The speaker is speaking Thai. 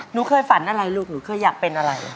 หนูเคยฝันอะไรลูกหนูเคยอยากเป็นอะไร